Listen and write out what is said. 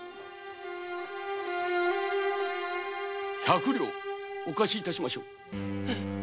百両お貸し致しましょう。